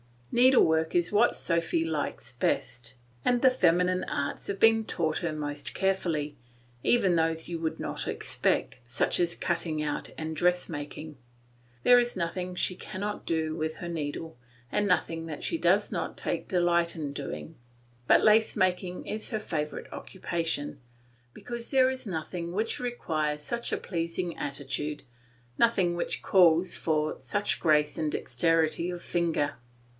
Needlework is what Sophy likes best; and the feminine arts have been taught her most carefully, even those you would not expect, such as cutting out and dressmaking. There is nothing she cannot do with her needle, and nothing that she does not take a delight in doing; but lace making is her favourite occupation, because there is nothing which requires such a pleasing attitude, nothing which calls for such grace and dexterity of finger.